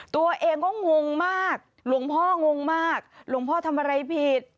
ตัวเองก็งงมากหลวงพ่องงมากหลวงพ่อทำอะไรผิด